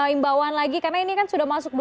imbauan lagi karena ini kan sudah masuk